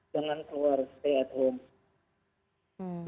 jangan keluar stay at home